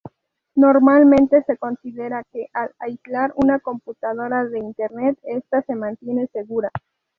Normalmente se considera que al aislar una computadora de Internet, esta se mantiene segura.